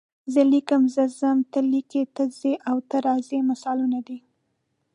زه لیکم، زه ځم، ته لیکې، ته ځې او ته راځې مثالونه دي.